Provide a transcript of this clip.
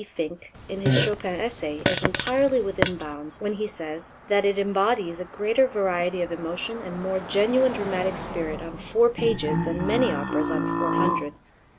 Finck, in his Chopin essay, is entirely within bounds when he says that it embodies a greater variety of emotion and more genuine dramatic spirit on four pages than many operas on four hundred.